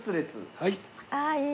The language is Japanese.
はい。